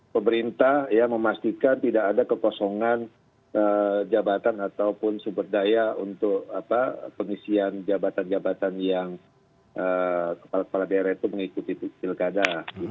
pemerintah ya memastikan tidak ada kekosongan jabatan ataupun sumber daya untuk pengisian jabatan jabatan yang kepala kepala daerah itu mengikuti pilkada